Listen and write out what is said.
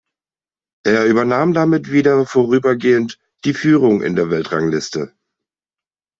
Er übernahm damit wieder vorübergehend die Führung in der Weltrangliste.